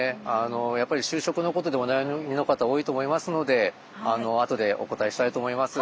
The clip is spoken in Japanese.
やっぱり就職のことでお悩みの方多いと思いますのであとでお答えしたいと思います。